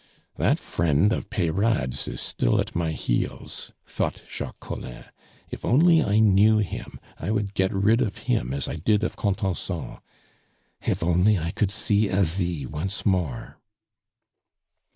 "That friend of Peyrade's is still at my heels," thought Jacques Collin. "If only I knew him, I would get rid of him as I did of Contenson. If only I could see Asie once more!"